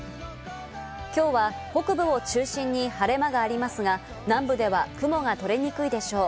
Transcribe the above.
今日は北部を中心に晴れ間がありますが、南部では雲がとれにくいでしょう。